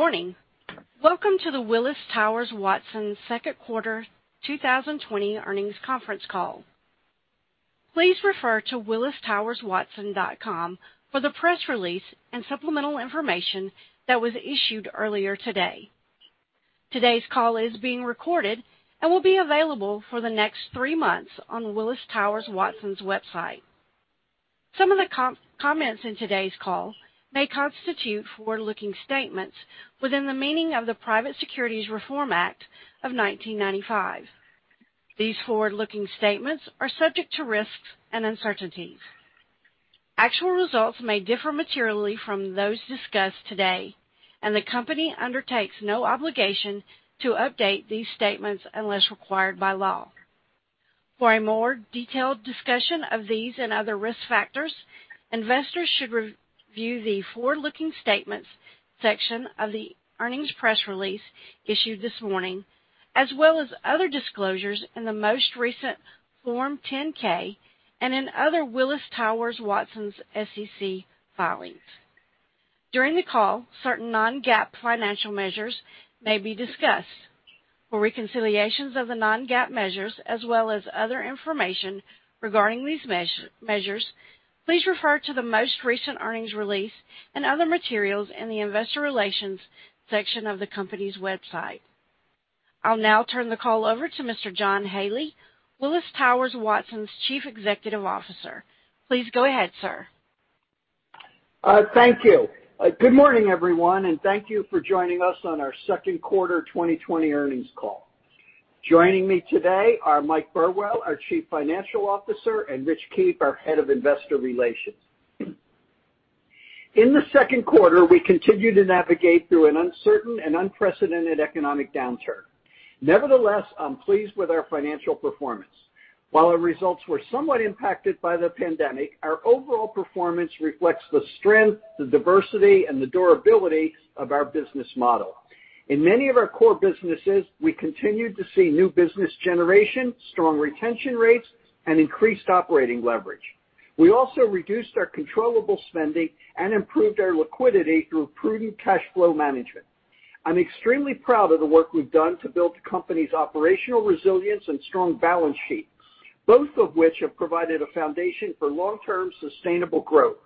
Good morning. Welcome to the Willis Towers Watson second quarter 2020 earnings conference call. Please refer to willistowerswatson.com for the press release and supplemental information that was issued earlier today. Today's call is being recorded and will be available for the next three months on Willis Towers Watson's website. Some of the comments in today's call may constitute forward-looking statements within the meaning of the Private Securities Litigation Reform Act of 1995. These forward-looking statements are subject to risks and uncertainties. Actual results may differ materially from those discussed today, and the company undertakes no obligation to update these statements unless required by law. For a more detailed discussion of these and other risk factors, investors should review the Forward-Looking Statements section of the earnings press release issued this morning, as well as other disclosures in the most recent Form 10-K and in other Willis Towers Watson's SEC filings. During the call, certain non-GAAP financial measures may be discussed. For reconciliations of the non-GAAP measures as well as other information regarding these measures, please refer to the most recent earnings release and other materials in the Investor Relations section of the company's website. I'll now turn the call over to Mr. John Haley, Willis Towers Watson's Chief Executive Officer. Please go ahead, sir. Thank you. Good morning, everyone, and thank you for joining us on our second quarter 2020 earnings call. Joining me today are Mike Burwell, our Chief Financial Officer, and Rich Keefe, our Head of Investor Relations. In the second quarter, we continued to navigate through an uncertain and unprecedented economic downturn. Nevertheless, I'm pleased with our financial performance. While our results were somewhat impacted by the pandemic, our overall performance reflects the strength, the diversity, and the durability of our business model. In many of our core businesses, we continued to see new business generation, strong retention rates, and increased operating leverage. We also reduced our controllable spending and improved our liquidity through prudent cash flow management. I'm extremely proud of the work we've done to build the company's operational resilience and strong balance sheet, both of which have provided a foundation for long-term sustainable growth.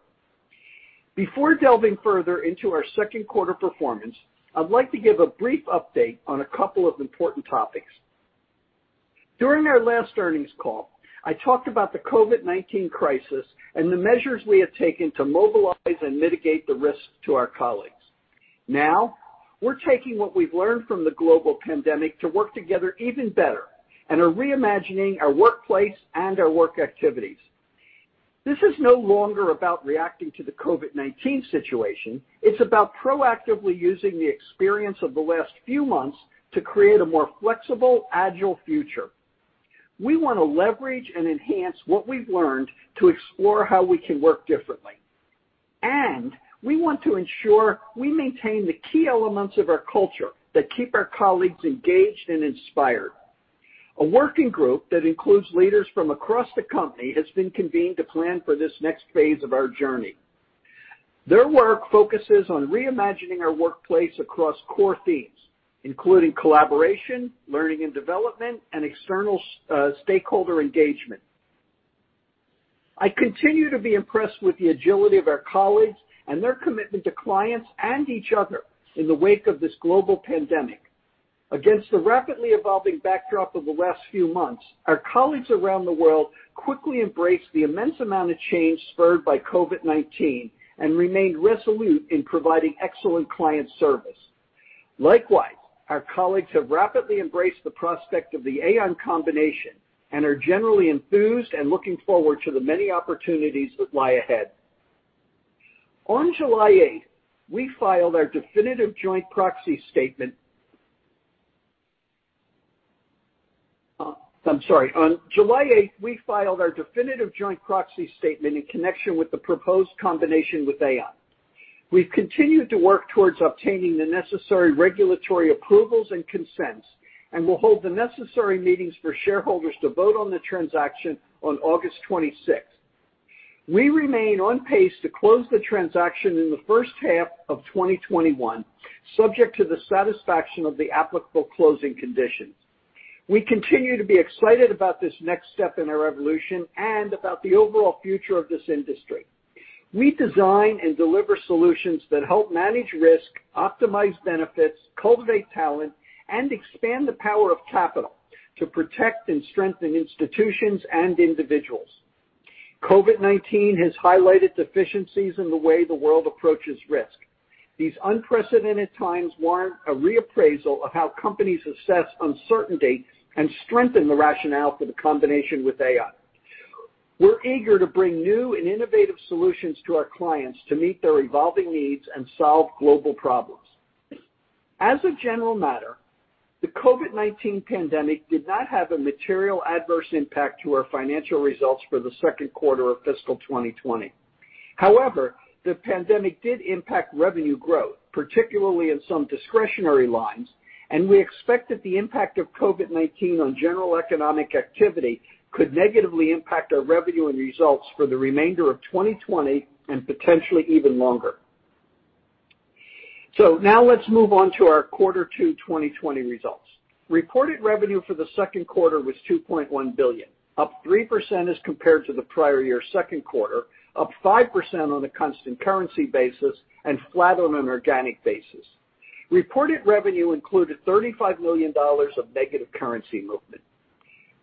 Before delving further into our second quarter performance, I'd like to give a brief update on a couple of important topics. During our last earnings call, I talked about the COVID-19 crisis and the measures we have taken to mobilize and mitigate the risk to our colleagues. We're taking what we've learned from the global pandemic to work together even better and are reimagining our workplace and our work activities. This is no longer about reacting to the COVID-19 situation. It's about proactively using the experience of the last few months to create a more flexible, agile future. We want to leverage and enhance what we've learned to explore how we can work differently. We want to ensure we maintain the key elements of our culture that keep our colleagues engaged and inspired. A working group that includes leaders from across the company has been convened to plan for this next phase of our journey. Their work focuses on reimagining our workplace across core themes, including collaboration, learning and development, and external stakeholder engagement. I continue to be impressed with the agility of our colleagues and their commitment to clients and each other in the wake of this global pandemic. Against the rapidly evolving backdrop of the last few months, our colleagues around the world quickly embraced the immense amount of change spurred by COVID-19 and remained resolute in providing excellent client service. Likewise, our colleagues have rapidly embraced the prospect of the Aon combination and are generally enthused and looking forward to the many opportunities that lie ahead. On July 8th, we filed our definitive joint proxy statement. On July 8th, we filed our definitive joint proxy statement in connection with the proposed combination with Aon. We've continued to work towards obtaining the necessary regulatory approvals and consents, and will hold the necessary meetings for shareholders to vote on the transaction on August 26th. We remain on pace to close the transaction in the first half of 2021, subject to the satisfaction of the applicable closing conditions. We continue to be excited about this next step in our evolution and about the overall future of this industry. We design and deliver solutions that help manage risk, optimize benefits, cultivate talent, and expand the power of capital to protect and strengthen institutions and individuals. COVID-19 has highlighted deficiencies in the way the world approaches risk. These unprecedented times warrant a reappraisal of how companies assess uncertainty and strengthen the rationale for the combination with Aon. We're eager to bring new and innovative solutions to our clients to meet their evolving needs and solve global problems. As a general matter, the COVID-19 pandemic did not have a material adverse impact to our financial results for the second quarter of fiscal 2020. However, the pandemic did impact revenue growth, particularly in some discretionary lines, and we expect that the impact of COVID-19 on general economic activity could negatively impact our revenue and results for the remainder of 2020 and potentially even longer. Now let's move on to our Quarter 2 2020 results. Reported revenue for the second quarter was $2.1 billion, up 3% as compared to the prior year second quarter, up 5% on a constant currency basis, and flat on an organic basis. Reported revenue included $35 million of negative currency movement.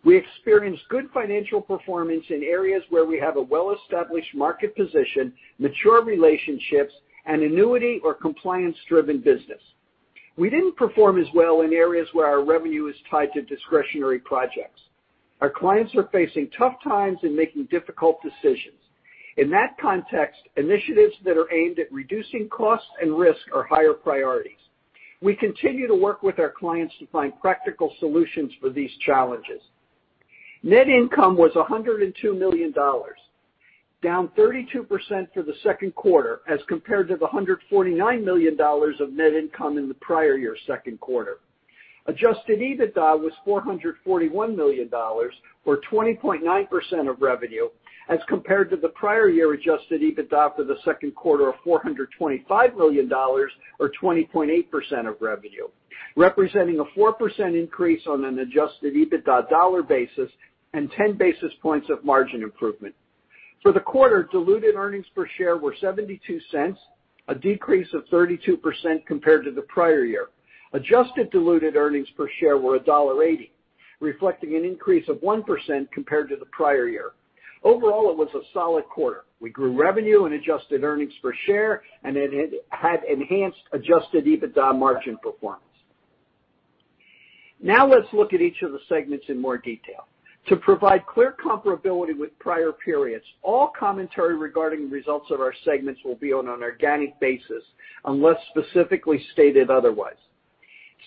We experienced good financial performance in areas where we have a well-established market position, mature relationships, and annuity or compliance-driven business. We didn't perform as well in areas where our revenue is tied to discretionary projects. Our clients are facing tough times and making difficult decisions. In that context, initiatives that are aimed at reducing cost and risk are higher priorities. We continue to work with our clients to find practical solutions for these challenges. Net income was $102 million, down 32% for the second quarter as compared to the $149 million of net income in the prior year second quarter. Adjusted EBITDA was $441 million, or 20.9% of revenue, as compared to the prior year Adjusted EBITDA for the second quarter of $425 million or 20.8% of revenue, representing a 4% increase on an Adjusted EBITDA dollar basis and 10 basis points of margin improvement. For the quarter, diluted earnings per share were $0.72, a decrease of 32% compared to the prior year. Adjusted diluted earnings per share were $1.80, reflecting an increase of 1% compared to the prior year. Overall, it was a solid quarter. We grew revenue and adjusted earnings per share, and it had enhanced adjusted EBITDA margin performance. Let's look at each of the segments in more detail. To provide clear comparability with prior periods, all commentary regarding results of our segments will be on an organic basis unless specifically stated otherwise.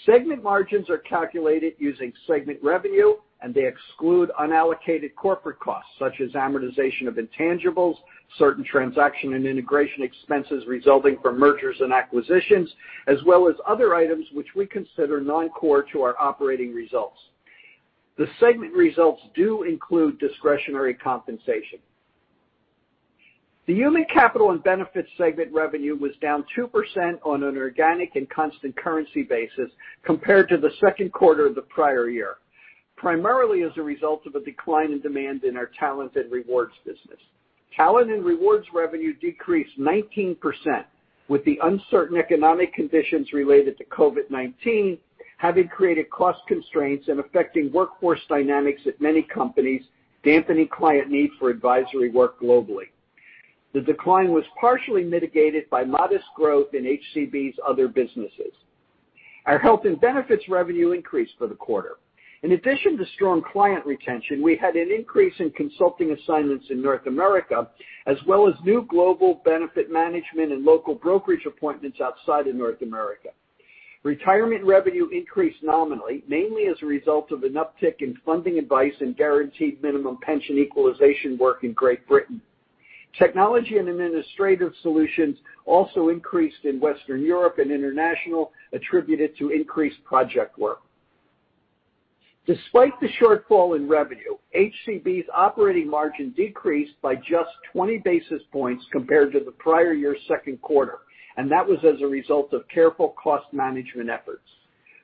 Segment margins are calculated using segment revenue, and they exclude unallocated corporate costs, such as amortization of intangibles, certain transaction and integration expenses resulting from mergers and acquisitions, as well as other items which we consider non-core to our operating results. The segment results do include discretionary compensation. The Human Capital and Benefits segment revenue was down 2% on an organic and constant currency basis compared to the second quarter of the prior year, primarily as a result of a decline in demand in our talent and rewards business. Talent and rewards revenue decreased 19%, with the uncertain economic conditions related to COVID-19 having created cost constraints and affecting workforce dynamics at many companies, dampening client needs for advisory work globally. The decline was partially mitigated by modest growth in HCB's other businesses. Our health and benefits revenue increased for the quarter. In addition to strong client retention, we had an increase in consulting assignments in North America, as well as new global benefit management and local brokerage appointments outside of North America. Retirement revenue increased nominally, mainly as a result of an uptick in funding advice and guaranteed minimum pension equalization work in Great Britain. Technology and administrative solutions also increased in Western Europe and international, attributed to increased project work. Despite the shortfall in revenue, HCB's operating margin decreased by just 20 basis points compared to the prior year second quarter, and that was as a result of careful cost management efforts.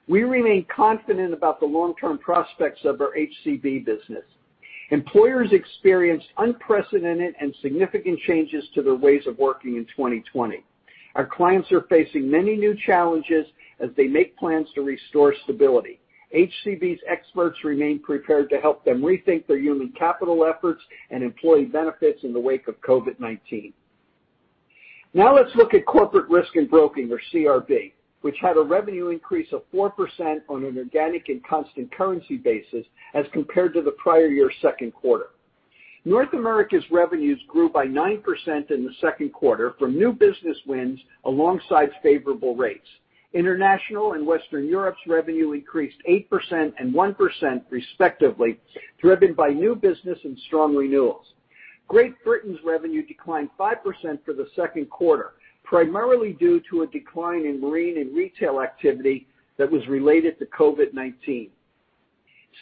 We remain confident about the long-term prospects of our HCB business. Employers experienced unprecedented and significant changes to their ways of working in 2020. Our clients are facing many new challenges as they make plans to restore stability. HCB's experts remain prepared to help them rethink their human capital efforts and employee benefits in the wake of COVID-19. Let's look at Corporate Risk and Broking, or CRB, which had a revenue increase of 4% on an organic and constant currency basis as compared to the prior year second quarter. North America's revenues grew by 9% in the second quarter from new business wins alongside favorable rates. International and Western Europe's revenue increased 8% and 1% respectively, driven by new business and strong renewals. Great Britain's revenue declined 5% for the second quarter, primarily due to a decline in marine and retail activity that was related to COVID-19.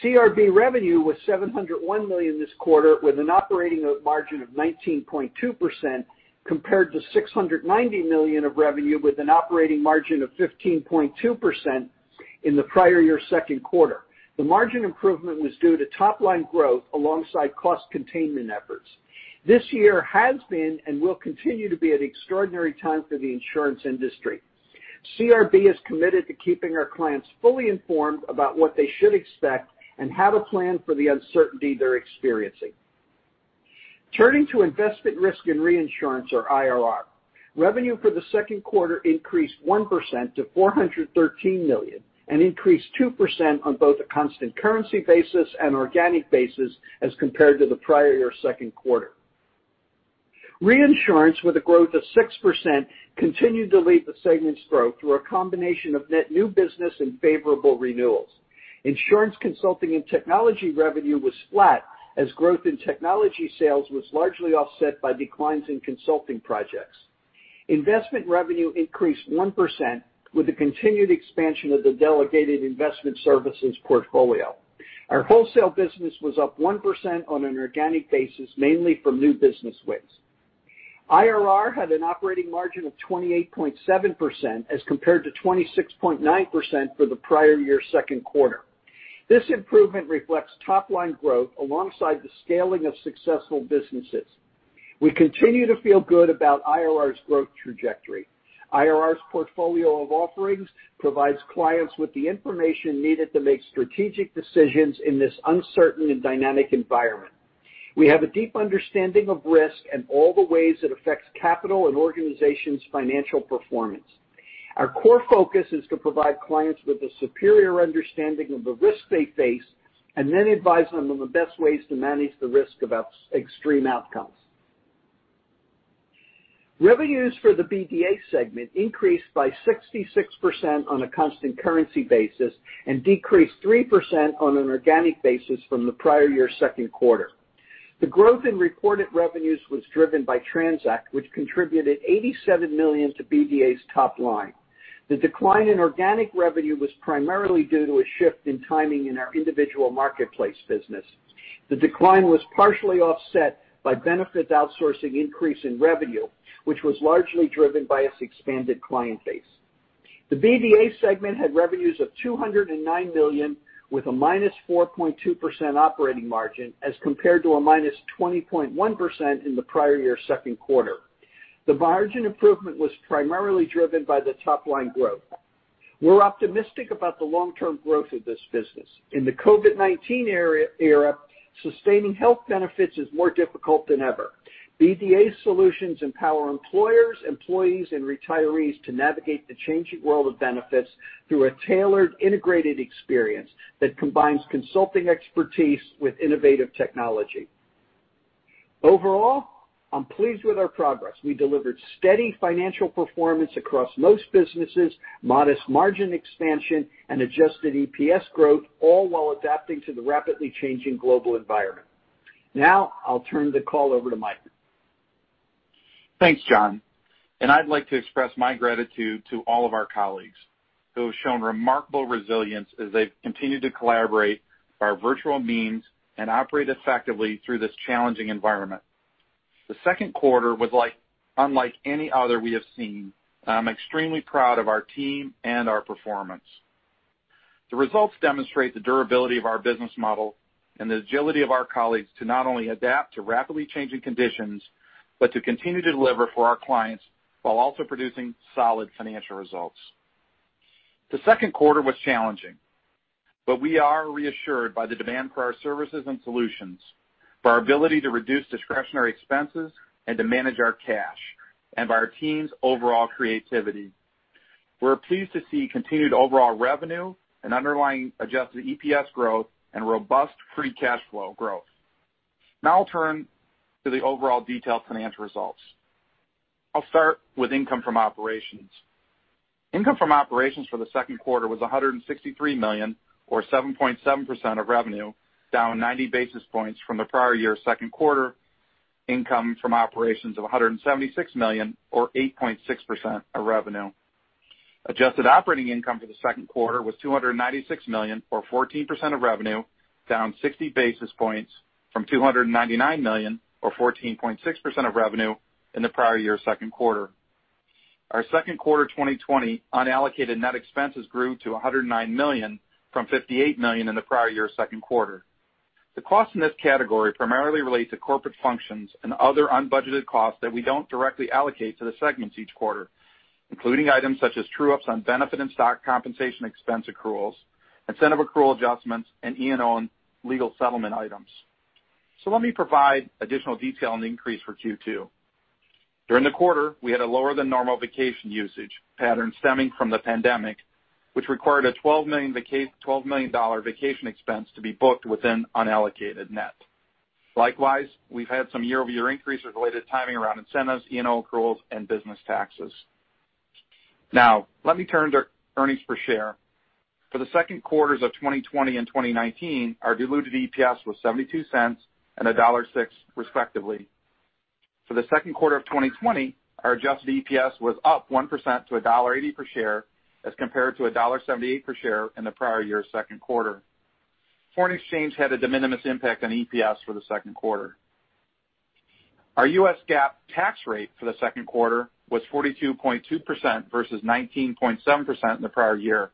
CRB revenue was $701 million this quarter, with an operating margin of 19.2%, compared to $690 million of revenue with an operating margin of 15.2% in the prior year second quarter. The margin improvement was due to top-line growth alongside cost containment efforts. This year has been and will continue to be an extraordinary time for the insurance industry. CRB is committed to keeping our clients fully informed about what they should expect and have a plan for the uncertainty they're experiencing. Turning to Investment, Risk and Reinsurance, or IRR. Revenue for the second quarter increased 1% to $413 million and increased 2% on both a constant currency basis and organic basis as compared to the prior year second quarter. Reinsurance, with a growth of 6%, continued to lead the segment's growth through a combination of net new business and favorable renewals. Insurance consulting and technology revenue was flat as growth in technology sales was largely offset by declines in consulting projects. Investment revenue increased 1% with the continued expansion of the delegated investment services portfolio. Our wholesale business was up 1% on an organic basis, mainly from new business wins. IRR had an operating margin of 28.7% as compared to 26.9% for the prior year second quarter. This improvement reflects top-line growth alongside the scaling of successful businesses. We continue to feel good about IRR's growth trajectory. IRR's portfolio of offerings provides clients with the information needed to make strategic decisions in this uncertain and dynamic environment. We have a deep understanding of risk and all the ways it affects capital and organizations' financial performance. Our core focus is to provide clients with a superior understanding of the risks they face and then advise them on the best ways to manage the risk about extreme outcomes. Revenues for the BDA segment increased by 66% on a constant currency basis and decreased 3% on an organic basis from the prior year second quarter. The growth in reported revenues was driven by TRANZACT, which contributed $87 million to BDA's top line. The decline in organic revenue was primarily due to a shift in timing in our individual marketplace business. The decline was partially offset by benefits outsourcing increase in revenue, which was largely driven by its expanded client base. The BDA segment had revenues of $209 million with a -4.2% operating margin, as compared to a -20.1% in the prior year second quarter. The margin improvement was primarily driven by the top-line growth. We're optimistic about the long-term growth of this business. In the COVID-19 era, sustaining health benefits is more difficult than ever. BDA solutions empower employers, employees, and retirees to navigate the changing world of benefits through a tailored, integrated experience that combines consulting expertise with innovative technology. Overall, I'm pleased with our progress. We delivered steady financial performance across most businesses, modest margin expansion, and adjusted EPS growth, all while adapting to the rapidly changing global environment. Now I'll turn the call over to Mike. Thanks, John, and I'd like to express my gratitude to all of our colleagues who have shown remarkable resilience as they've continued to collaborate by our virtual means and operate effectively through this challenging environment. The second quarter was unlike any other we have seen, and I'm extremely proud of our team and our performance. The results demonstrate the durability of our business model and the agility of our colleagues to not only adapt to rapidly changing conditions, but to continue to deliver for our clients while also producing solid financial results. The second quarter was challenging, but we are reassured by the demand for our services and solutions, by our ability to reduce discretionary expenses and to manage our cash, and by our team's overall creativity. We're pleased to see continued overall revenue and underlying adjusted EPS growth and robust free cash flow growth. I'll turn to the overall detailed financial results. I'll start with income from operations. Income from operations for the second quarter was $163 million, or 7.7% of revenue, down 90 basis points from the prior year second quarter income from operations of $176 million, or 8.6% of revenue. Adjusted operating income for the second quarter was $296 million, or 14% of revenue, down 60 basis points from $299 million or 14.6% of revenue in the prior year second quarter. Our second quarter 2020 unallocated net expenses grew to $109 million from $58 million in the prior year second quarter. The cost in this category primarily relate to corporate functions and other unbudgeted costs that we don't directly allocate to the segments each quarter, including items such as true-ups on benefit and stock compensation expense accruals, incentive accrual adjustments, and E&O legal settlement items. Let me provide additional detail on the increase for Q2. During the quarter, we had a lower than normal vacation usage pattern stemming from the pandemic, which required a $12 million vacation expense to be booked within unallocated net. Likewise, we've had some year-over-year increase related timing around incentives, E&O accruals, and business taxes. Let me turn to earnings per share. For the second quarters of 2020 and 2019, our diluted EPS was $0.72 and $1.06 respectively. For the second quarter of 2020, our adjusted EPS was up 1% to $1.80 per share as compared to $1.78 per share in the prior year second quarter. Foreign exchange had a de minimis impact on EPS for the second quarter. Our U.S. GAAP tax rate for the second quarter was 42.2% versus 19.7% in the prior year.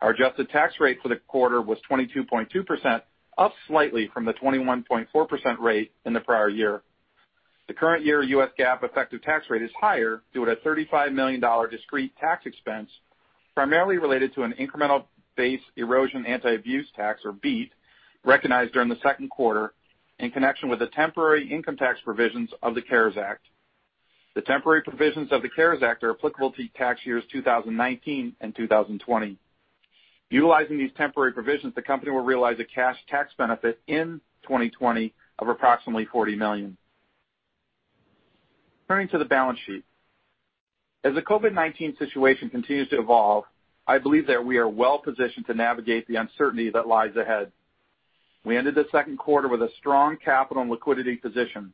Our adjusted tax rate for the quarter was 22.2%, up slightly from the 21.4% rate in the prior year. The current year U.S. GAAP effective tax rate is higher due to a $35 million discrete tax expense, primarily related to an incremental base erosion anti-abuse tax, or BEAT, recognized during the second quarter in connection with the temporary income tax provisions of the CARES Act. The temporary provisions of the CARES Act are applicable to tax years 2019 and 2020. Utilizing these temporary provisions, the company will realize a cash tax benefit in 2020 of approximately $40 million. Turning to the balance sheet. As the COVID-19 situation continues to evolve, I believe that we are well-positioned to navigate the uncertainty that lies ahead. We ended the second quarter with a strong capital and liquidity position,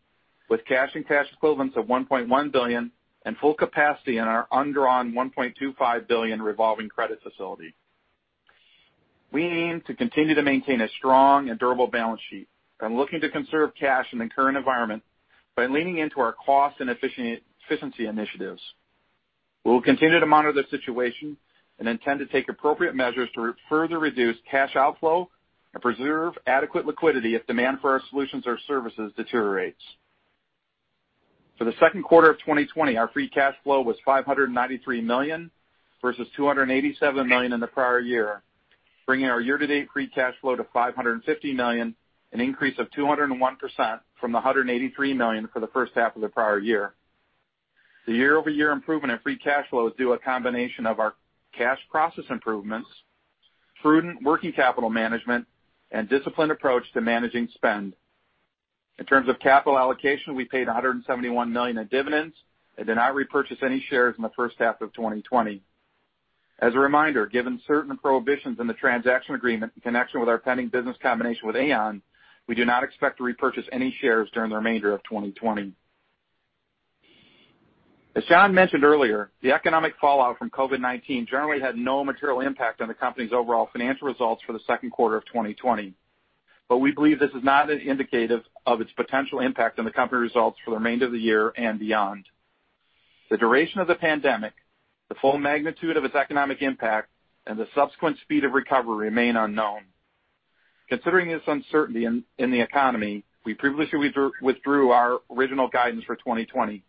with cash and cash equivalents of $1.1 billion and full capacity in our undrawn $1.25 billion revolving credit facility. We aim to continue to maintain a strong and durable balance sheet and looking to conserve cash in the current environment by leaning into our cost and efficiency initiatives. We will continue to monitor the situation and intend to take appropriate measures to further reduce cash outflow and preserve adequate liquidity if demand for our solutions or services deteriorates. For the second quarter of 2020, our free cash flow was $593 million versus $287 million in the prior year, bringing our year-to-date free cash flow to $550 million, an increase of 201% from the $183 million for the first half of the prior year. The year-over-year improvement in free cash flow is due a combination of our cash process improvements, prudent working capital management, and disciplined approach to managing spend. In terms of capital allocation, we paid $171 million in dividends and did not repurchase any shares in the first half of 2020. As a reminder, given certain prohibitions in the transaction agreement in connection with our pending business combination with Aon, we do not expect to repurchase any shares during the remainder of 2020. As John mentioned earlier, the economic fallout from COVID-19 generally had no material impact on the company's overall financial results for the second quarter of 2020. We believe this is not indicative of its potential impact on the company results for the remainder of the year and beyond. The duration of the pandemic, the full magnitude of its economic impact, and the subsequent speed of recovery remain unknown. Considering this uncertainty in the economy, we previously withdrew our original guidance for 2020.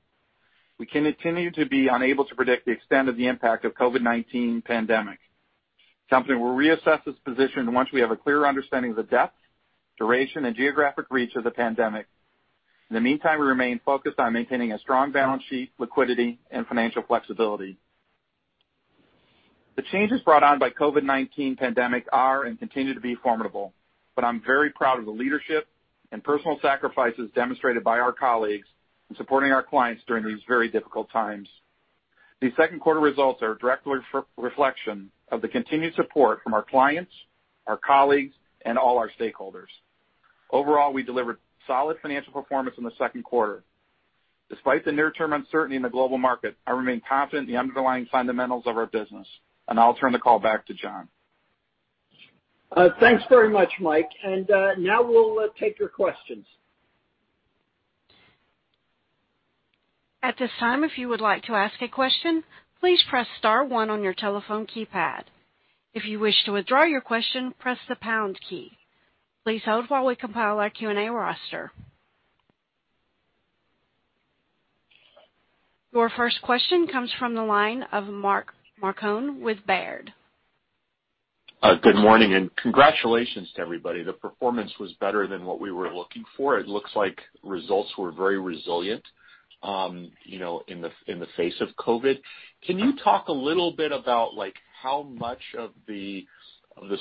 We continue to be unable to predict the extent of the impact of COVID-19 pandemic. The company will reassess its position once we have a clearer understanding of the depth, duration, and geographic reach of the pandemic. In the meantime, we remain focused on maintaining a strong balance sheet, liquidity, and financial flexibility. The changes brought on by COVID-19 pandemic are and continue to be formidable, but I'm very proud of the leadership and personal sacrifices demonstrated by our colleagues in supporting our clients during these very difficult times. These second quarter results are a direct reflection of the continued support from our clients, our colleagues, and all our stakeholders. Overall, we delivered solid financial performance in the second quarter. Despite the near-term uncertainty in the global market, I remain confident in the underlying fundamentals of our business. I'll turn the call back to John. Thanks very much, Mike. Now we'll take your questions. At this time, if you would like to ask a question, please press star one on your telephone keypad. If you wish to withdraw your question, press the pound key. Please hold while we compile our Q&A roster. Your first question comes from the line of Mark Marcon with Baird. Good morning, congratulations to everybody. The performance was better than what we were looking for. It looks like results were very resilient in the face of COVID. Can you talk a little bit about how much of the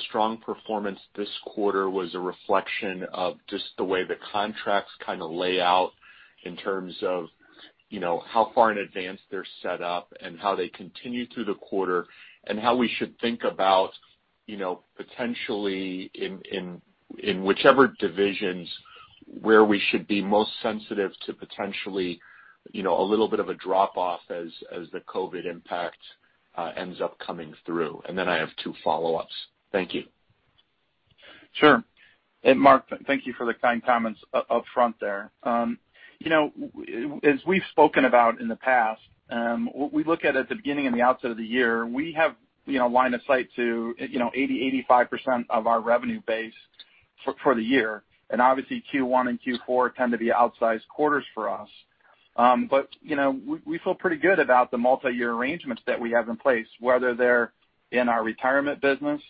strong performance this quarter was a reflection of just the way the contracts kind of lay out in terms of how far in advance they're set up and how they continue through the quarter, and how we should think about potentially in whichever divisions where we should be most sensitive to potentially a little bit of a drop-off as the COVID impact ends up coming through? I have two follow-ups. Thank you. Sure. Mark, thank you for the kind comments up front there. As we've spoken about in the past, what we look at the beginning and the outset of the year, we have line of sight to 80%-85% of our revenue base for the year. Obviously, Q1 and Q4 tend to be outsized quarters for us. We feel pretty good about the multi-year arrangements that we have in place, whether they're in our retirement business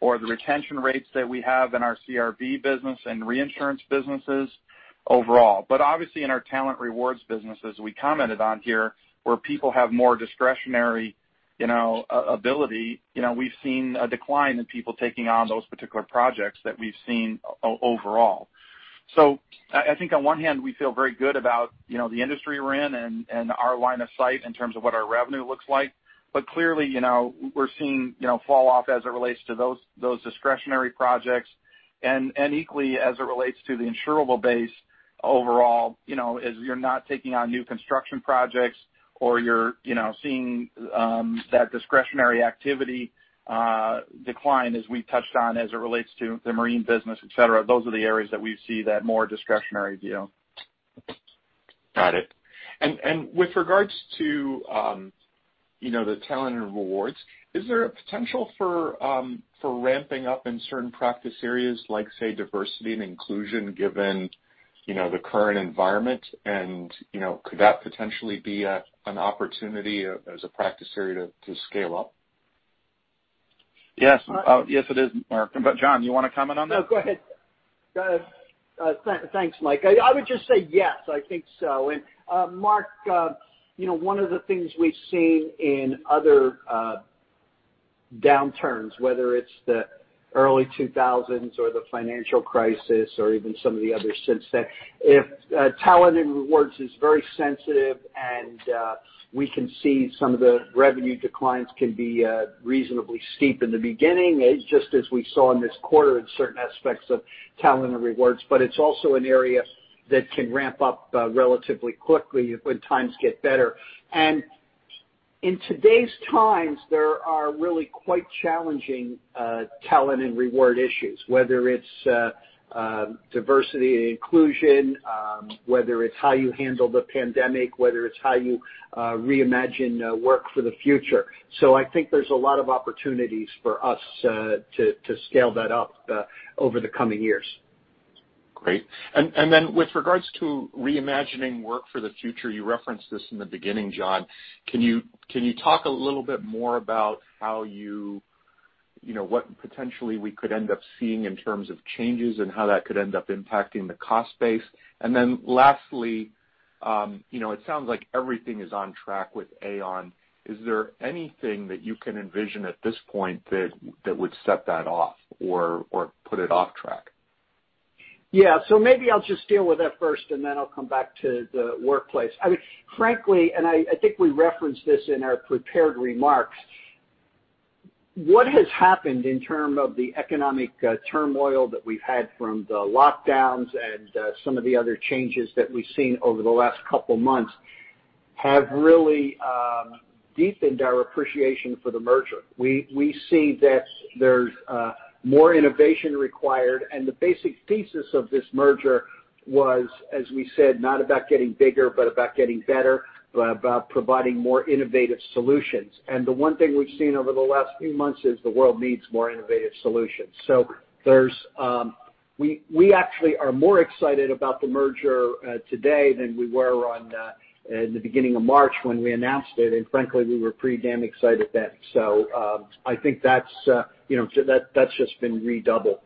or the retention rates that we have in our CRB business and reinsurance businesses overall. Obviously in our talent rewards businesses, we commented on here where people have more discretionary ability. We've seen a decline in people taking on those particular projects that we've seen overall. I think on one hand, we feel very good about the industry we're in and our line of sight in terms of what our revenue looks like. Clearly, we're seeing fall off as it relates to those discretionary projects, and equally as it relates to the insurable base overall, as you're not taking on new construction projects or you're seeing that discretionary activity decline as we've touched on, as it relates to the marine business, et cetera. Those are the areas that we see that more discretionary view. Got it. With regards to the talent and rewards, is there a potential for ramping up in certain practice areas like, say, diversity and inclusion, given the current environment, and could that potentially be an opportunity as a practice area to scale up? Yes, it is, Mark. John, you want to comment on that? No, go ahead. Thanks, Mike. I would just say yes, I think so. Mark, one of the things we've seen in other downturns, whether it's the early 2000s or the financial crisis or even some of the others since then. Talent and rewards is very sensitive, and we can see some of the revenue declines can be reasonably steep in the beginning, just as we saw in this quarter in certain aspects of talent and rewards. It's also an area that can ramp up relatively quickly when times get better. In today's times, there are really quite challenging talent and reward issues, whether it's diversity and inclusion, whether it's how you handle the pandemic, whether it's how you reimagine work for the future. I think there's a lot of opportunities for us to scale that up over the coming years. Great. Then with regards to reimagining work for the future, you referenced this in the beginning, John, can you talk a little bit more about what potentially we could end up seeing in terms of changes and how that could end up impacting the cost base? Then lastly, it sounds like everything is on track with Aon. Is there anything that you can envision at this point that would set that off or put it off track? Yeah. Maybe I'll just deal with that first, and then I'll come back to the workplace. I mean, frankly, and I think we referenced this in our prepared remarks, what has happened in terms of the economic turmoil that we've had from the lockdowns and some of the other changes that we've seen over the last couple of months have really deepened our appreciation for the merger. We see that there's more innovation required, and the basic thesis of this merger was, as we said, not about getting bigger, but about getting better, but about providing more innovative solutions. The one thing we've seen over the last few months is the world needs more innovative solutions. We actually are more excited about the merger today than we were in the beginning of March when we announced it, and frankly, we were pretty damn excited then. I think that's just been redoubled.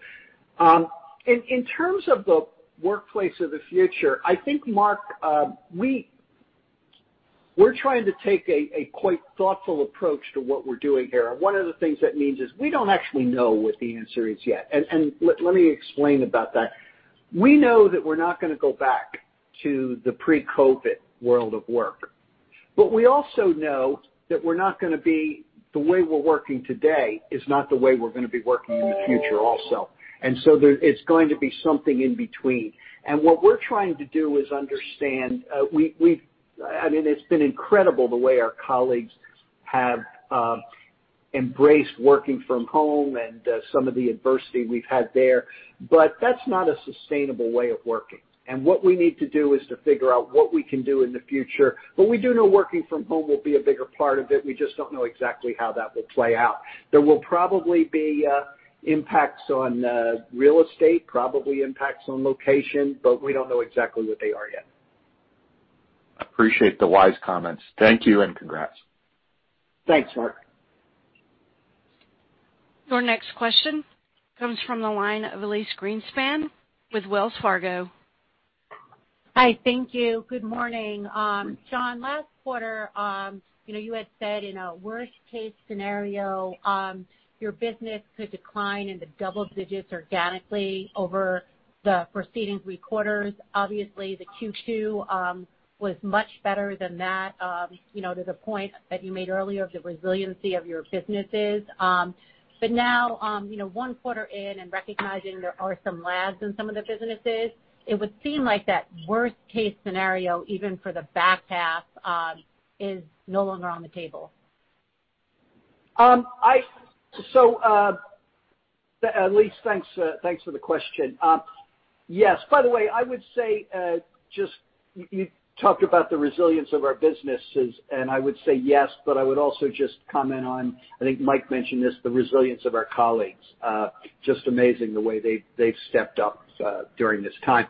In terms of the workplace of the future, I think, Mark, we're trying to take a quite thoughtful approach to what we're doing here, and one of the things that means is we don't actually know what the answer is yet. Let me explain about that. We know that we're not going to go back to the pre-COVID world of work, but we also know that the way we're working today is not the way we're going to be working in the future also. It's going to be something in between. What we're trying to do is understand I mean, it's been incredible the way our colleagues have embraced working from home and some of the adversity we've had there, but that's not a sustainable way of working. What we need to do is to figure what we can do in the future. We do know working from home will be a bigger part of it. We just don't know exactly how that will play out. There will probably be impacts on real estate, probably impacts on location, but we don't know exactly what they are yet. Appreciate the wise comments. Thank you, and congrats. Thanks, Mark. Your next question comes from the line of Elyse Greenspan with Wells Fargo. Hi, thank you. Good morning. John, last quarter, you had said in a worst-case scenario, your business could decline into double digits organically over the preceding three quarters. Obviously, the Q2 was much better than that. There's a point that you made earlier of the resiliency of your businesses. Now, one quarter in and recognizing there are some lags in some of the businesses, it would seem like that worst-case scenario, even for the back half, is no longer on the table. Elyse, thanks for the question. Yes. By the way, I would say, you talked about the resilience of our businesses, and I would say yes, but I would also just comment on, I think Mike mentioned this, the resilience of our colleagues. Just amazing the way they've stepped up during this time.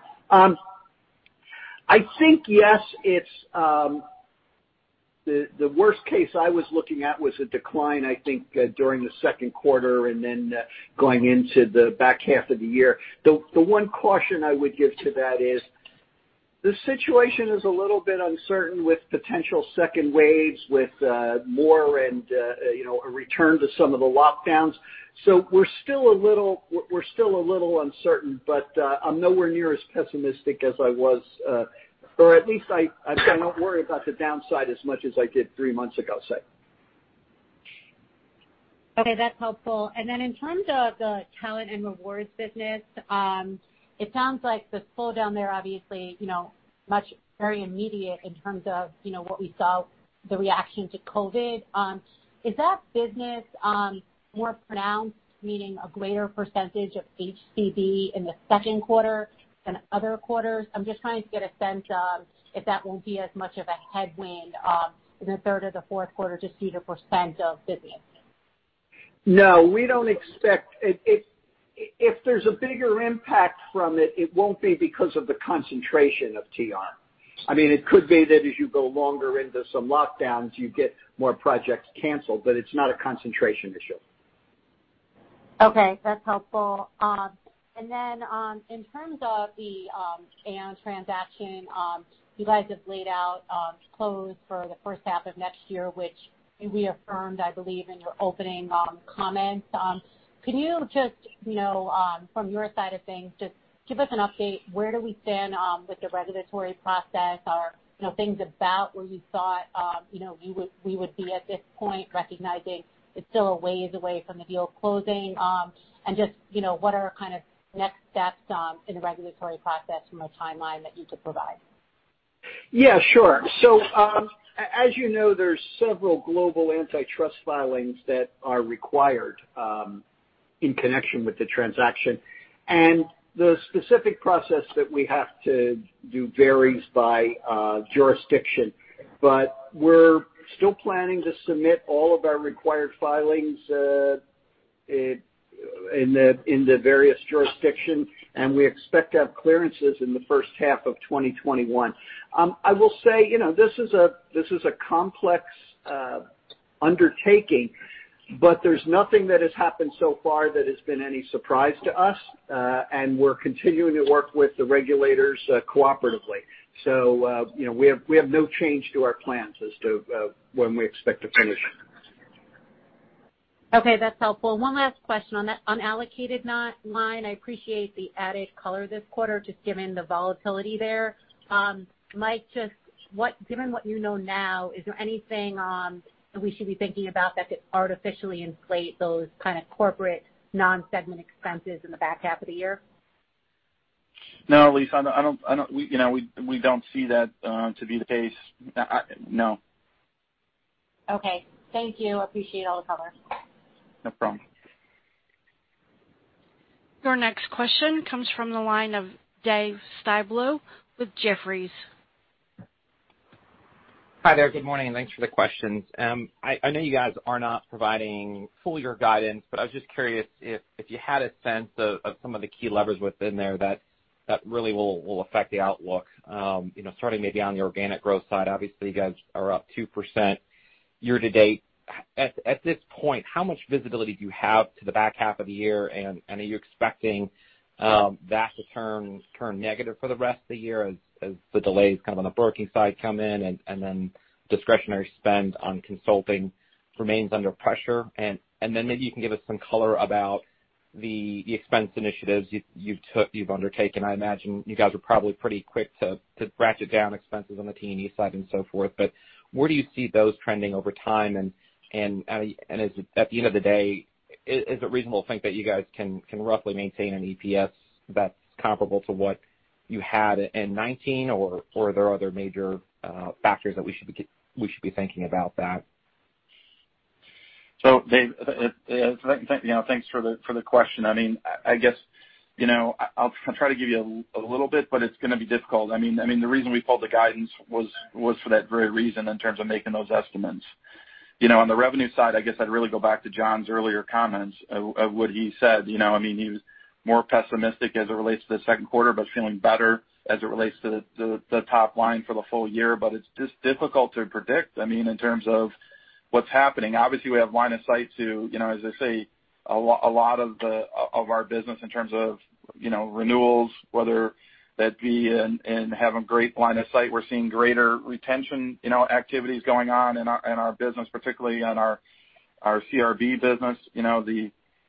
I think, yes. The worst case I was looking at was a decline, I think, during the second quarter and then going into the back half of the year. The one caution I would give to that is, the situation is a little bit uncertain with potential second waves, with more and a return to some of the lockdowns. We're still a little uncertain, but I'm nowhere near as pessimistic as I was, or at least I'm not worried about the downside as much as I did three months ago, say. Okay, that's helpful. In terms of the talent and rewards business, it sounds like the slowdown there, obviously, very immediate in terms of what we saw, the reaction to COVID. Is that business more pronounced, meaning a greater percentage of HCB in the second quarter than other quarters? I'm just trying to get a sense if that will be as much of a headwind in the third or the fourth quarter to see the % of businesses. No. If there's a bigger impact from it won't be because of the concentration of TR. I mean, it could be that as you go longer into some lockdowns, you get more projects canceled, it's not a concentration issue. Okay, that's helpful. In terms of the Aon transaction, you guys have laid out close for the first half of next year, which you reaffirmed, I believe, in your opening comments. Can you just from your side of things, just give us an update, where do we stand with the regulatory process? Are things about where you thought we would be at this point, recognizing it's still a ways away from the deal closing? Just what are kind of next steps in the regulatory process from a timeline that you could provide? Yeah, sure. As you know, there's several global antitrust filings that are required in connection with the transaction, the specific process that we have to do varies by jurisdiction. We're still planning to submit all of our required filings in the various jurisdiction, we expect to have clearances in the first half of 2021. I will say, this is a complex undertaking, there's nothing that has happened so far that has been any surprise to us. We're continuing to work with the regulators cooperatively. We have no change to our plans as to when we expect to finish. Okay, that's helpful. One last question. On that unallocated line, I appreciate the added color this quarter, just given the volatility there. Mike, just given what you know now, is there anything that we should be thinking about that could artificially inflate those kind of corporate non-segment expenses in the back half of the year? No, Elyse, we don't see that to be the case. No. Okay. Thank you. Appreciate all the color. No problem. Your next question comes from the line of David Styblo with Jefferies. Hi there. Good morning, and thanks for the questions. I know you guys are not providing full-year guidance. I was just curious if you had a sense of some of the key levers within there that really will affect the outlook. Starting maybe on the organic growth side, obviously, you guys are up 2% year-to-date. At this point, how much visibility do you have to the back half of the year, and are you expecting that to turn negative for the rest of the year as the delays kind of on the broking side come in and then discretionary spend on consulting remains under pressure? Maybe you can give us some color about the expense initiatives you've undertaken. I imagine you guys are probably pretty quick to ratchet down expenses on the T&E side and so forth. Where do you see those trending over time? At the end of the day, is it reasonable to think that you guys can roughly maintain an EPS that's comparable to what you had in 2019? Are there other major factors that we should be thinking about that? Dave, thanks for the question. I guess I'll try to give you a little bit, but it's going to be difficult. The reason we pulled the guidance was for that very reason, in terms of making those estimates. On the revenue side, I guess I'd really go back to John's earlier comments of what he said. He was more pessimistic as it relates to the second quarter, but feeling better as it relates to the top line for the full year. It's just difficult to predict in terms of what's happening. Obviously, we have line of sight to, as I say, a lot of our business in terms of renewals, whether that be in having great line of sight. We're seeing greater retention activities going on in our business, particularly on our CRB business.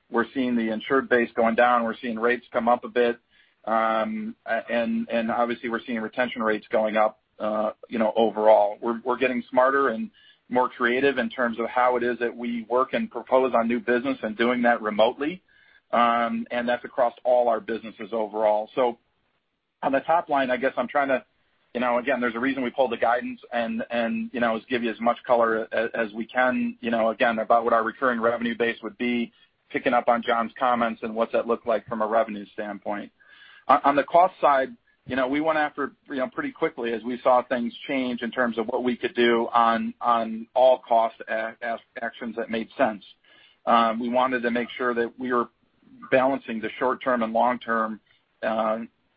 We're seeing the insured base going down. We're seeing rates come up a bit. Obviously, we're seeing retention rates going up overall. We're getting smarter and more creative in terms of how it is that we work and propose on new business and doing that remotely. That's across all our businesses overall. On the top line, I guess I'm trying to. Again, there's a reason we pulled the guidance and give you as much color as we can, again, about what our recurring revenue base would be, picking up on John's comments and what's that look like from a revenue standpoint. On the cost side, we went after pretty quickly as we saw things change in terms of what we could do on all cost actions that made sense. We wanted to make sure that we were balancing the short-term and long-term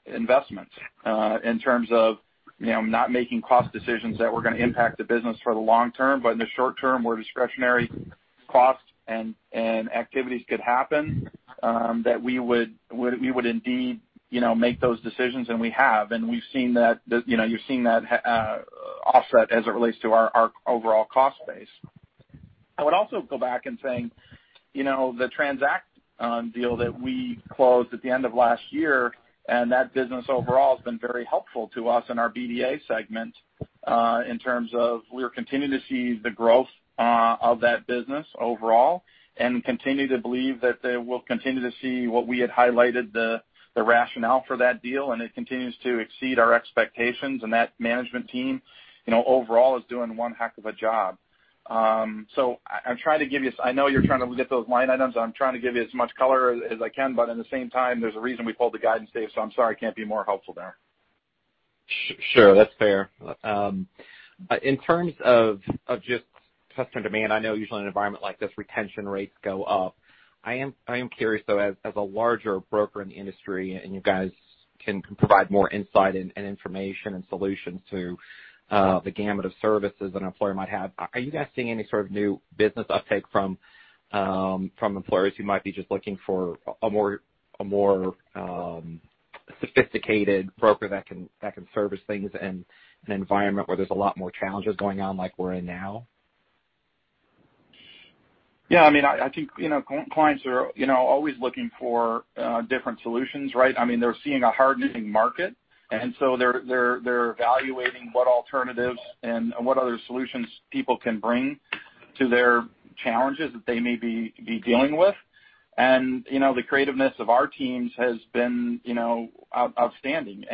investments in terms of not making cost decisions that were going to impact the business for the long term, but in the short term, where discretionary costs and activities could happen that we would indeed make those decisions, and we have. You've seen that offset as it relates to our overall cost base. I would also go back in saying, the TRANZACT deal that we closed at the end of last year, and that business overall has been very helpful to us in our BDA segment, in terms of we're continuing to see the growth of that business overall and continue to believe that they will continue to see what we had highlighted the rationale for that deal, and it continues to exceed our expectations. That management team overall is doing one heck of a job. I know you're trying to get those line items. I'm trying to give you as much color as I can. At the same time, there's a reason we pulled the guidance, Dave, so I'm sorry I can't be more helpful there. Sure. That's fair. In terms of just customer demand, I know usually in an environment like this, retention rates go up. I am curious, though, as a larger broker in the industry, and you guys can provide more insight and information and solutions to the gamut of services an employer might have, are you guys seeing any sort of new business uptake from employers who might be just looking for a more sophisticated broker that can service things in an environment where there's a lot more challenges going on like we're in now? Yeah. I think clients are always looking for different solutions, right? They're seeing a hardening market. They're evaluating what alternatives and what other solutions people can bring to their challenges that they may be dealing with. The creativeness of our teams has been outstanding.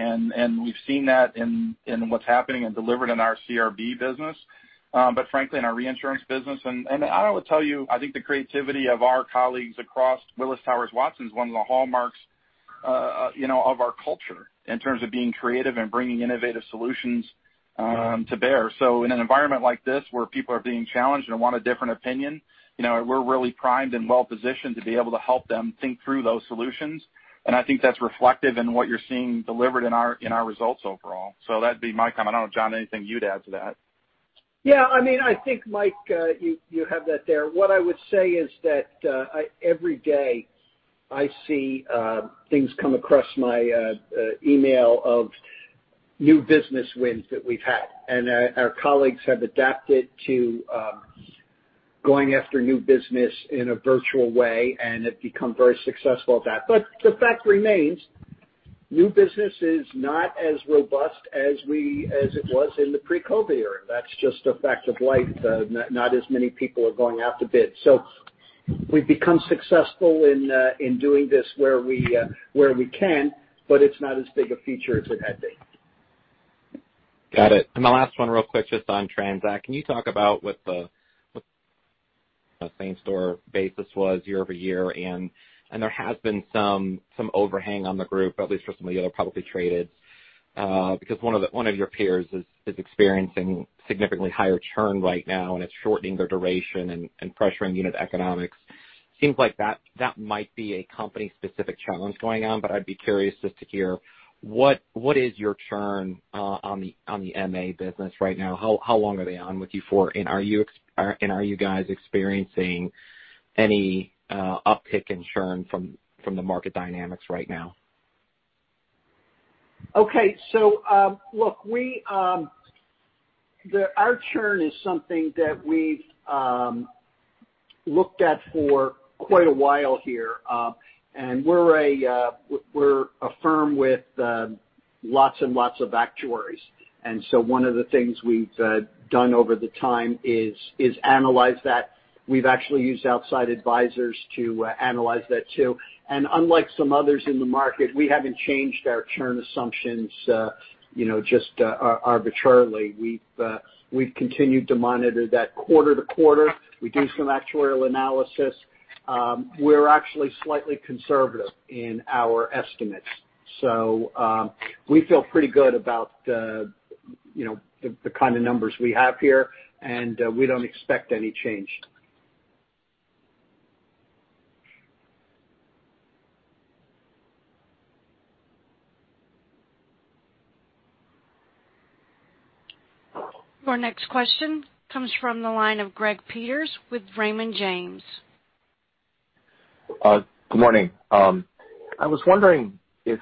We've seen that in what's happening and delivered in our CRB business, but frankly, in our reinsurance business. I would tell you, I think the creativity of our colleagues across Willis Towers Watson is one of the hallmarks of our culture in terms of being creative and bringing innovative solutions to bear. In an environment like this, where people are being challenged and want a different opinion, we're really primed and well-positioned to be able to help them think through those solutions. I think that's reflective in what you're seeing delivered in our results overall. That'd be my comment. I don't know, John, anything you'd add to that? Yeah. I think, Mike, you have that there. What I would say is that every day I see things come across my email of new business wins that we've had, our colleagues have adapted to going after new business in a virtual way and have become very successful at that. The fact remains, new business is not as robust as it was in the pre-COVID era. That's just a fact of life. Not as many people are going out to bid. We've become successful in doing this where we can, but it's not as big a feature as it had been. Got it. My last one real quick, just on TRANZACT, can you talk about what the same store basis was year-over-year? There has been some overhang on the group, at least for some of the other publicly traded, because one of your peers is experiencing significantly higher churn right now, and it's shortening their duration and pressuring unit economics. Seems like that might be a company specific challenge going on, but I'd be curious just to hear what is your churn on the MA business right now? How long are they on with you for, and are you guys experiencing any uptick in churn from the market dynamics right now? Okay. Look, our churn is something that we've looked at for quite a while here. We're a firm with lots and lots of actuaries. One of the things we've done over the time is analyze that. We've actually used outside advisors to analyze that, too. Unlike some others in the market, we haven't changed our churn assumptions just arbitrarily. We've continued to monitor that quarter to quarter. We do some actuarial analysis. We're actually slightly conservative in our estimates. We feel pretty good about the kind of numbers we have here, and we don't expect any change. Our next question comes from the line of Gregory Peters with Raymond James. Good morning. I was wondering if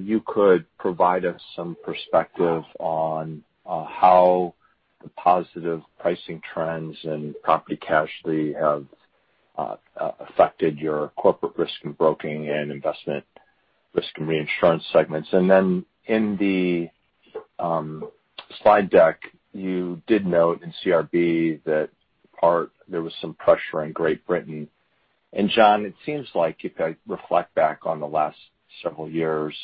you could provide us some perspective on how the positive pricing trends in property casualty have affected your Corporate Risk and Broking and Investment, Risk and Reinsurance segments. In the slide deck, you did note in CRB that there was some pressure in Great Britain. John, it seems like if I reflect back on the last several years,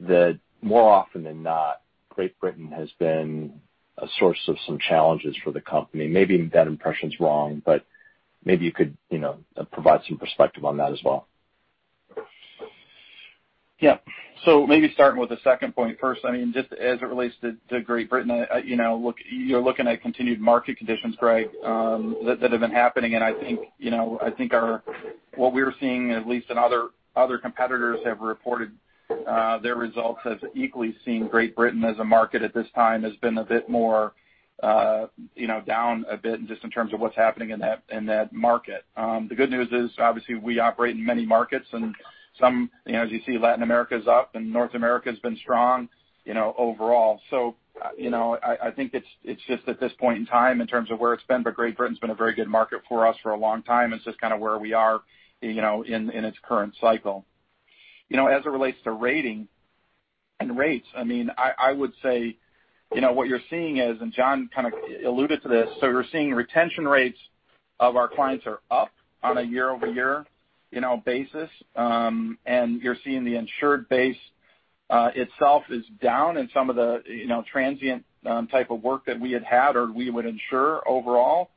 that more often than not, Great Britain has been a source of some challenges for the company. Maybe that impression's wrong, but maybe you could provide some perspective on that as well. Yeah. Maybe starting with the second point first. Just as it relates to Great Britain, you're looking at continued market conditions, Greg, that have been happening, and I think what we're seeing, at least in other competitors have reported their results as equally seeing Great Britain as a market at this time has been a bit more down a bit just in terms of what's happening in that market. The good news is, obviously, we operate in many markets. As you see, Latin America's up and North America's been strong overall. I think it's just at this point in time in terms of where it's been, but Great Britain's been a very good market for us for a long time. It's just kind of where we are in its current cycle. As it relates to rating and rates, I would say what you're seeing is, John kind of alluded to this, you're seeing retention rates of our clients are up on a year-over-year basis. You're seeing the insured base itself is down in some of the transient type of work that we had or we would insure overall.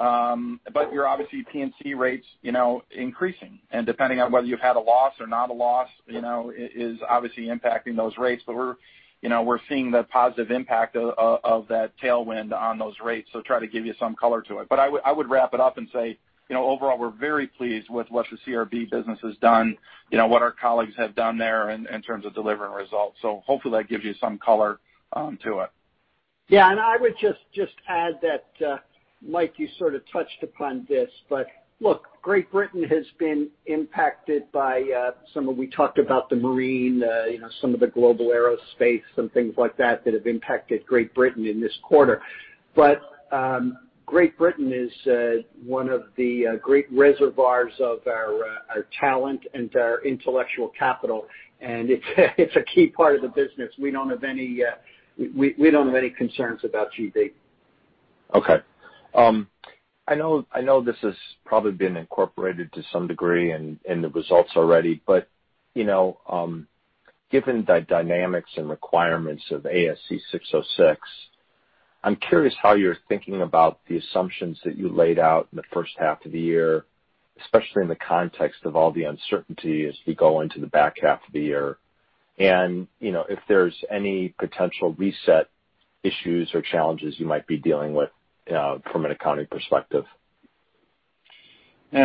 Your obviously P&C rates increasing, and depending on whether you've had a loss or not a loss is obviously impacting those rates. We're seeing the positive impact of that tailwind on those rates. Try to give you some color to it. I would wrap it up and say, overall, we're very pleased with what the CRB business has done, what our colleagues have done there in terms of delivering results. Hopefully that gives you some color to it. I would just add that, Mike, you sort of touched upon this, look, Great Britain has been impacted by some of the marine, some of the global aerospace and things like that that have impacted Great Britain in this quarter. Great Britain is one of the great reservoirs of our talent and our intellectual capital, and it's a key part of the business. We don't have any concerns about GB. Okay. I know this has probably been incorporated to some degree in the results already, given the dynamics and requirements of ASC 606, I'm curious how you're thinking about the assumptions that you laid out in the first half of the year, especially in the context of all the uncertainty as we go into the back half of the year. If there's any potential reset issues or challenges you might be dealing with from an accounting perspective.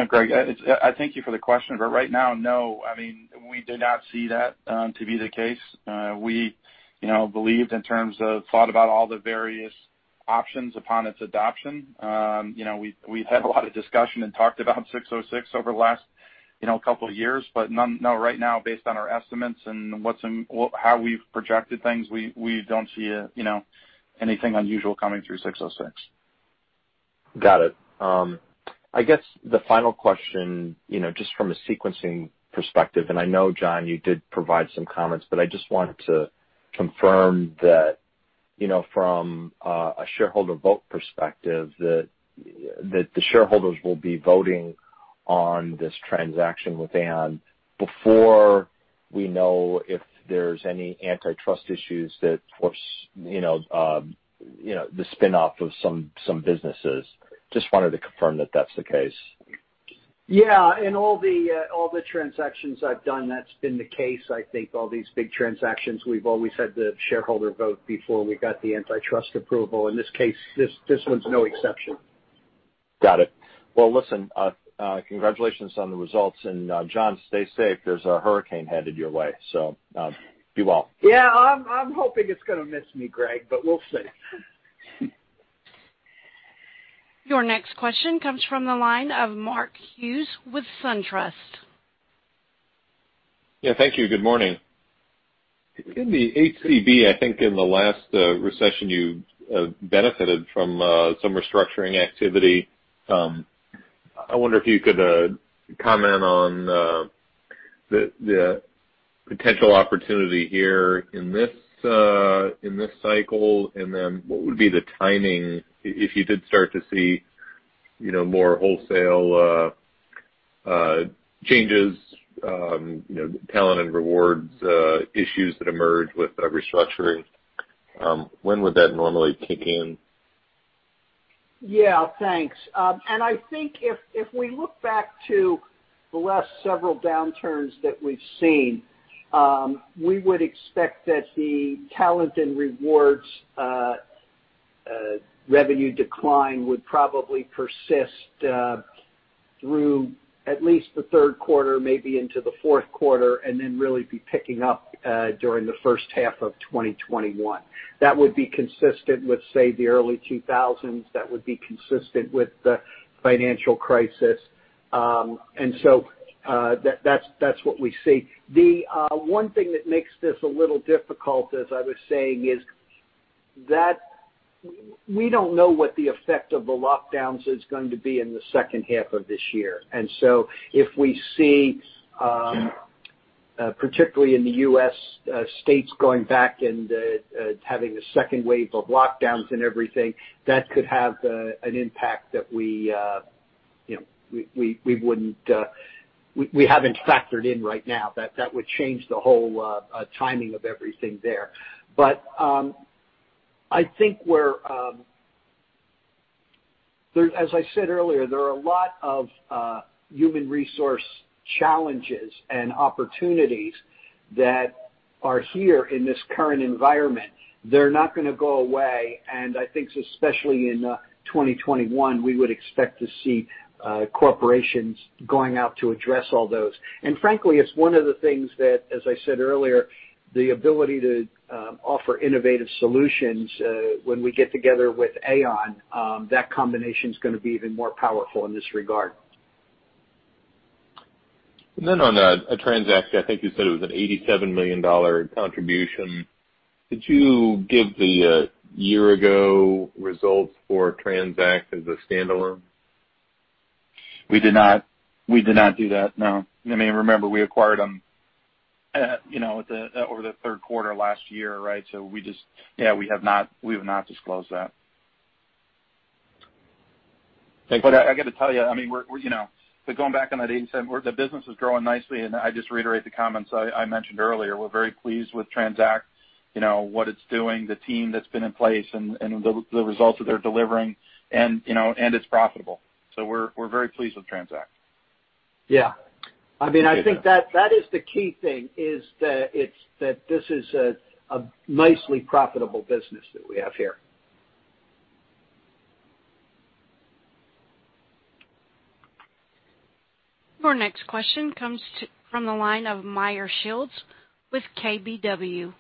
Greg, I thank you for the question, right now, no. We do not see that to be the case. We believed in terms of thought about all the various options upon its adoption. We've had a lot of discussion and talked about 606 over the last couple of years. No, right now, based on our estimates and how we've projected things, we don't see anything unusual coming through 606. Got it. I guess the final question, just from a sequencing perspective, and I know, John, you did provide some comments, but I just want to confirm that from a shareholder vote perspective, that the shareholders will be voting on this transaction with Aon before we know if there's any antitrust issues that force the spin-off of some businesses. Just wanted to confirm that that's the case. Yeah. In all the transactions I've done, that's been the case. I think all these big transactions, we've always had the shareholder vote before we got the antitrust approval. In this case, this one's no exception. Got it. Well, listen, congratulations on the results, and John, stay safe. There's a hurricane headed your way, so be well. Yeah, I'm hoping it's going to miss me, Greg, but we'll see. Your next question comes from the line of Mark Hughes with SunTrust. Yeah, thank you. Good morning. In the HCB, I think in the last recession, you benefited from some restructuring activity. I wonder if you could comment on the potential opportunity here in this cycle, and then what would be the timing if you did start to see more wholesale changes, talent and rewards issues that emerge with restructuring? When would that normally kick in? Yeah, thanks. I think if we look back to the last several downturns that we've seen, we would expect that the talent and rewards revenue decline would probably persist through at least the third quarter, maybe into the fourth quarter, and then really be picking up during the first half of 2021. That would be consistent with, say, the early 2000s. That would be consistent with the financial crisis. That's what we see. The one thing that makes this a little difficult, as I was saying, is that we don't know what the effect of the lockdowns is going to be in the second half of this year. If we see, particularly in the U.S. states, going back and having a second wave of lockdowns and everything, that could have an impact that we haven't factored in right now. That would change the whole timing of everything there. I think as I said earlier, there are a lot of human resource challenges and opportunities that are here in this current environment. They're not going to go away, and I think especially in 2021, we would expect to see corporations going out to address all those. Frankly, it's one of the things that, as I said earlier, the ability to offer innovative solutions when we get together with Aon, that combination is going to be even more powerful in this regard. Then on TRANZACT, I think you said it was an $87 million contribution. Did you give the year-ago results for TRANZACT as a standalone? We did not do that, no. Remember, we acquired them over the third quarter last year, right? We have not disclosed that. Thank you. I got to tell you, going back on that $87 million, the business is growing nicely, and I just reiterate the comments I mentioned earlier. We're very pleased with TRANZACT, what it's doing, the team that's been in place, and the results that they're delivering, and it's profitable. We're very pleased with TRANZACT. Yeah. I think that is the key thing, is that this is a nicely profitable business that we have here. Your next question comes from the line of Meyer Shields with KBW.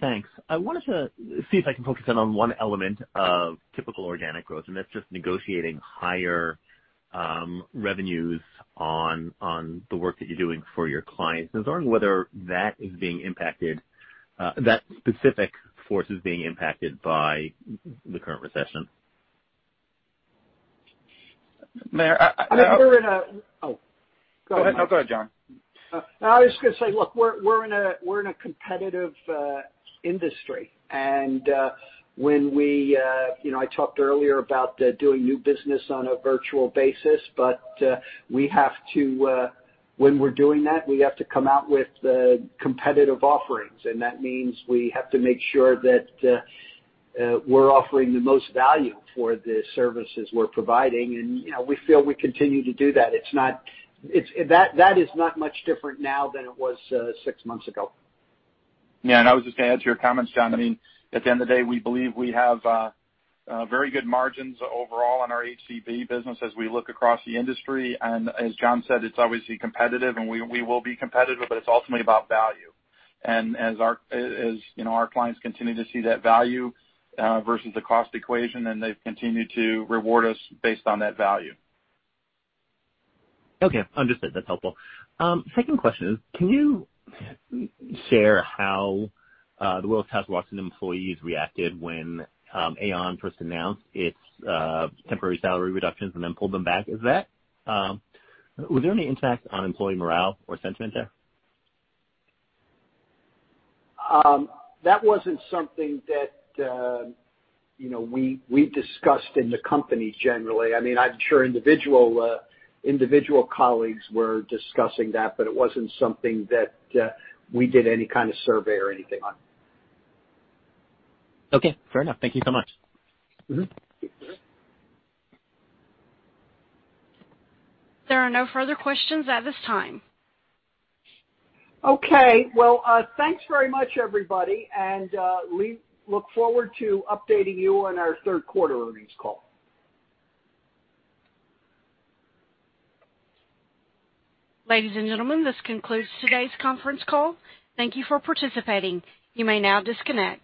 Thanks. I wanted to see if I can focus in on one element of typical organic growth, that's just negotiating higher revenues on the work that you're doing for your clients. I was wondering whether that specific force is being impacted by the current recession. Meyer, I mean, we're in a Oh, go ahead. No, go ahead, John. I was just going to say, look, we're in a competitive industry and I talked earlier about doing new business on a virtual basis, but when we're doing that, we have to come out with competitive offerings, and that means we have to make sure that we're offering the most value for the services we're providing. We feel we continue to do that. That is not much different now than it was six months ago. Yeah, I was just going to add to your comments, John. I mean, at the end of the day, we believe we have very good margins overall in our HCB business as we look across the industry. As John said, it's obviously competitive, and we will be competitive, but it's ultimately about value. As our clients continue to see that value versus the cost equation, and they've continued to reward us based on that value. Okay. Understood. That's helpful. Second question is, can you share how the Willis Towers Watson employees reacted when Aon first announced its temporary salary reductions and then pulled them back? Was there any impact on employee morale or sentiment there? That wasn't something that we discussed in the company generally. I mean, I'm sure individual colleagues were discussing that, but it wasn't something that we did any kind of survey or anything on. Okay, fair enough. Thank you so much. There are no further questions at this time. Okay. Well, thanks very much, everybody, and we look forward to updating you on our third quarter earnings call. Ladies and gentlemen, this concludes today's conference call. Thank you for participating. You may now disconnect.